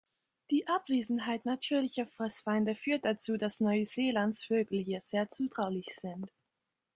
Die Abwesenheit natürlicher Fressfeinde führt dazu, dass Neuseelands Vögel hier sehr zutraulich sind.